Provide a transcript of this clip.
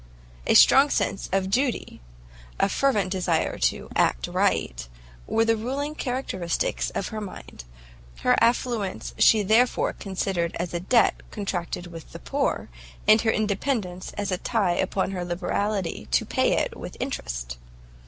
A strong sense of DUTY, a fervent desire to ACT RIGHT, were the ruling characteristics of her mind: her affluence she therefore considered as a debt contracted with the poor, and her independence as a tie upon her liberality to pay it with interest.